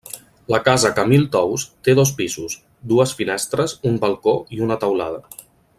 La casa Camil Tous té dos pisos, dues finestres, un balcó i una teulada.